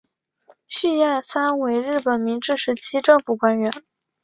续彦三为日本明治时期政府官员。